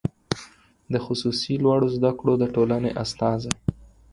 د خصوصي لوړو زده کړو د ټولنې استازی